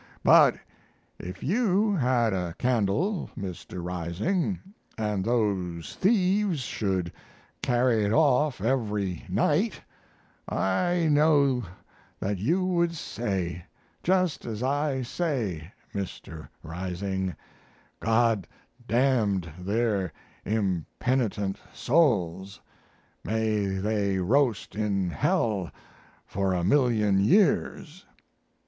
But if you had a candle, Mr. Rising, and those thieves should carry it off every night, I know that you would say, just as I say, Mr. Rising, G d d n their impenitent souls, may they roast in hell for a million years."